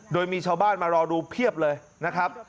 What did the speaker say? โดยมีชาวบ้านมารอดูเพียบเลยนะครับ